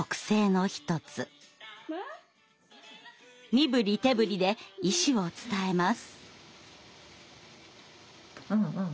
身ぶり手ぶりで意思を伝えます。